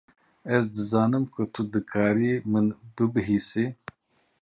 Ez dizanim ku tu dikarî min bibihîsî.